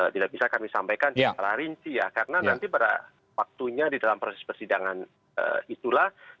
tidak bisa kami sampaikan secara rinci ya karena nanti pada waktunya di dalam proses persidangan itulah